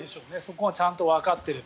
そこがちゃんとわかっていれば。